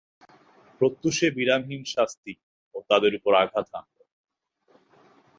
প্রত্যুষে বিরামহীন শাস্তি ও তাদের উপর আঘাত হানল।